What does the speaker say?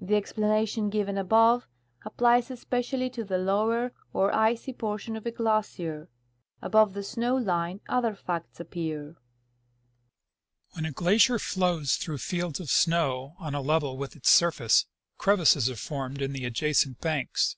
The explanation given above applies especially to the lower or icy portion of a glacier ; above the snow line other facts appear. When a glacier floAvs through fields of snow on a level with its surface, crevasses are formed in the adjacent banks.